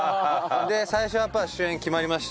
最初やっぱ主演決まりました。